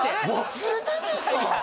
忘れてんですか？